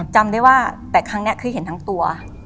จำได้ว่าแต่ครั้งนี้คือเห็นทั้งตัว